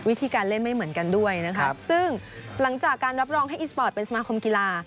วิธีการเล่นไม่เหมือนกันด้วยนะคะซึ่งหลังจากการรับรองให้อีสปอร์ตเป็นสมาคมกีฬา